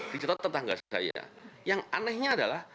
dicetak tetangga saya yang anehnya adalah